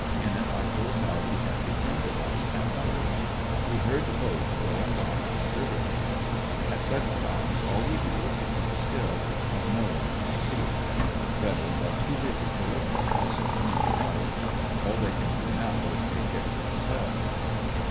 In it I told how he had befriended us and others. We heard boats going by on the river to day. At such times all we do is to keep still, as no one can see us. Rebels are too busy to look for us or any one else. All they can do now to take care of themselves.